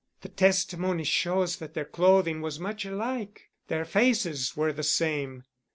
The testimony shows that their clothing was much alike. Their faces were the same.